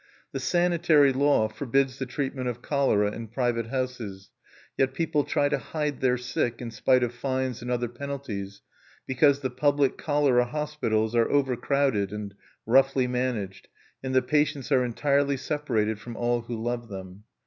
The sanitary law forbids the treatment of cholera in private houses; yet people try to hide their sick, in spite of fines and other penalties, because the public cholera hospitals are overcrowded and roughly managed, and the patients are entirely separated from all who love them.